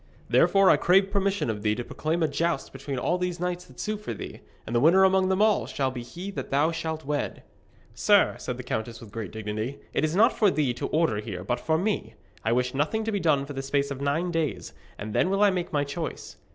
Therefore I crave permission of thee to proclaim a joust between all these knights that sue for thee, and the winner among them all shall be he that thou shalt wed.' 'Sir,' said the countess with great dignity, 'it is not for thee to order here, but for me. I wish nothing to be done for the space of nine days, and then will I make my choice.'